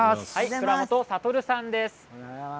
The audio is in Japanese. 倉本悟さんです。